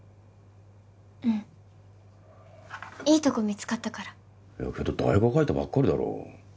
うんいいとこ見つかったからけど大学入ったばっかりだろう